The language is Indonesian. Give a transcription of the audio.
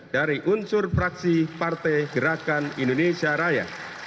dari unsur fraksi partai gerakan indonesia raya